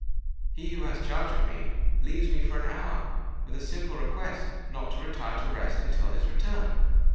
He who has charge of me, leaves me for an hour, with a simple request not to retire to rest until his return!